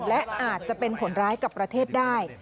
และอาจจะเป็นผลร้ายกับประเทศได้